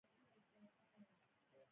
د کرکټ ډګر ګيردى يي.